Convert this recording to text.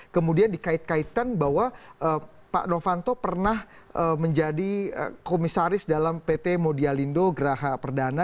kemudian dikait kaitan bahwa pak novanto pernah menjadi komisaris dalam pt modialindo geraha perdana